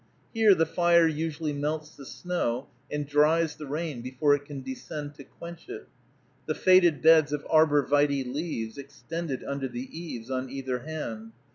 Here the fire usually melts the snow, and dries the rain before it can descend to quench it. The faded beds of arbor vitæ leaves extended under the eaves on either hand.